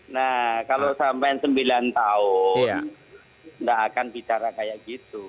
nah kalau sampai sembilan tahun tidak akan bicara kayak gitu